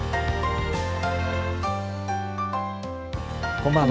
こんばんは。